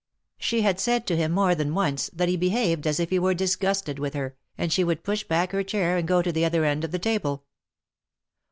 She had said to him more than once, that he behaved as if he were disgusted with her, and she would push back her chair, and go to the other end of the table.